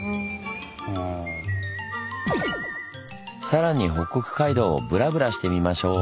更に北国街道をブラブラしてみましょう。